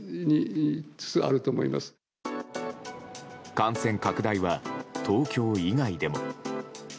感染拡大は東京以外でも。